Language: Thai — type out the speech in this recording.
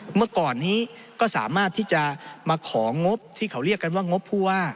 เมื่อก่อนนี้ก็สามารถที่จะมาของงบที่เขาเรียกกันว่างบผู้ว่า